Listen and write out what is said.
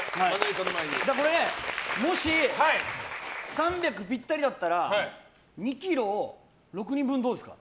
もし３００ｇピッタリだったら２ｋｇを６人分、どうですか？